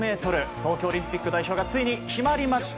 東京オリンピック代表がついに決まりました。